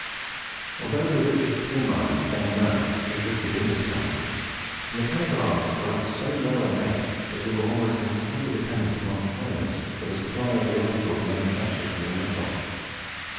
Although the richest tin mines then known existed in this country, the mechanical arts were at so low an ebb that we were almost entirely dependent upon foreigners for the supply of the articles manufactured from the metal.